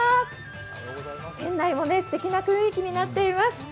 店内もすてきな雰囲気になっています。